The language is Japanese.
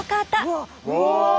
うわ！